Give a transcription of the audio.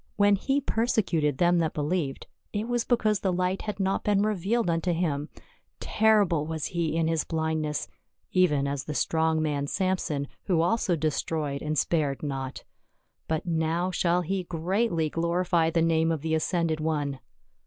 When he persecuted them that believed, it was because the light had not been revealed unto him ; terrible was he in his blindness even as the strong man Samson, who also destroyed and spared not, but now shall he greatly glorify the name of the ascended One."